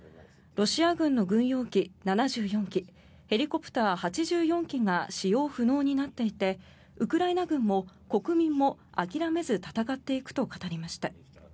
ロシア軍の軍用機７４機ヘリコプター８４機が使用不能になっていてウクライナ軍も国民も諦めず戦っていくと語りました。